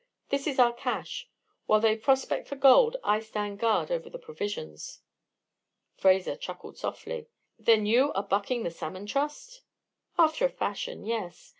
This is our cache. While they prospect for gold, I stand guard over the provisions." Fraser chuckled softly. "Then you are bucking the Salmon Trust?" "After a fashion, yes.